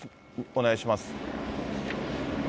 お願いします。